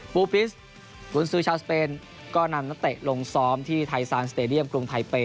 ปูปิสคุณซื้อชาวสเปนก็นำนักเตะลงซ้อมที่ไทยซานสเตดียมกรุงไทเป